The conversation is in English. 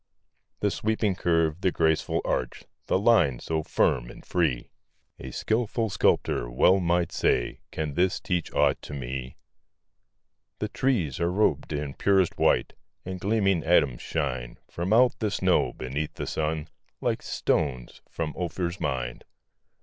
The sweeping curve, the graceful arch, The line so firm and free; A skilful sculptor well might say: "Can this teach aught to me?" The trees are rob'd in purest white, And gleaming atoms shine From out the snow, beneath the sun, Like stones from Ophir's mine.